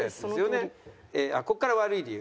ここから悪い理由。